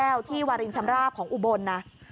อุ้ยทีนี้มันน่ากลัวเหลือเกินค่ะ